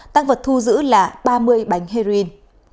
tăng vật thu giữ là ba mươi bánh heroin